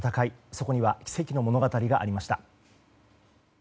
そこには奇跡の物語がありました。